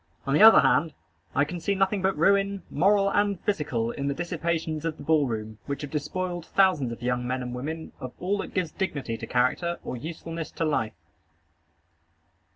On the other hand, I can see nothing but ruin, moral and physical, in the dissipations of the ball room, which have despoiled thousands of young men and women of all that gives dignity to character, or usefulness to life.